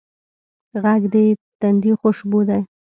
غږ د تندي خوشبو ده